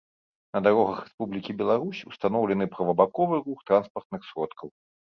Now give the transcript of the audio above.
На дарогах Рэспублікі Беларусь устаноўлены правабаковы рух транспартных сродкаў